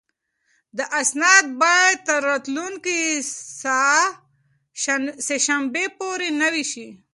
دا اسناد باید تر راتلونکې سه شنبې پورې نوي شي.